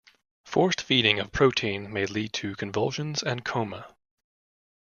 Forced feeding of protein may lead to convulsions and coma.